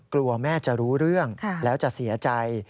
กลัวแม่จะรู้เรื่องแล้วจะเสียใจ